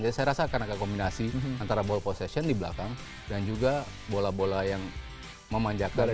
jadi saya rasa akan ada kombinasi antara ball possession di belakang dan juga bola bola yang memanjakan